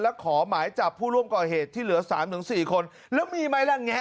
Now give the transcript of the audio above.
และขอหมายจับผู้ร่วมก่อเหตุที่เหลือ๓๔คนแล้วมีมั้ยแหละเนี้ย